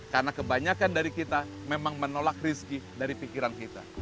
karena kebanyakan dari kita memang menolak rizki dari pikiran kita